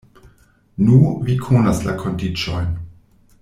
Nu, vi konas la kondiĉojn.